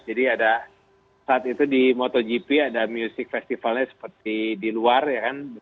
jadi ada saat itu di motogp ada musik festivalnya seperti di luar ya kan